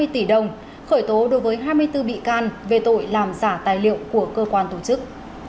hai mươi tỷ đồng khởi tố đối với hai mươi bốn bị can về tội làm giả tài liệu của cơ quan tổ chức